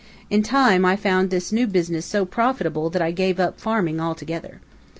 In time I found this new business so profitable that I gave up farming altogether.